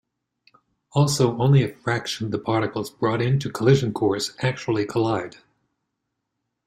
Also, only a fraction of the particles brought onto a collision course actually collide.